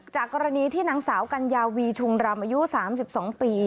จากกรณีที่นางสาวกัญญาวีชุงรำอายุ๓๒ปี